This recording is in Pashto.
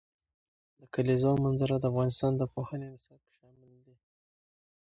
د کلیزو منظره د افغانستان د پوهنې نصاب کې شامل دي.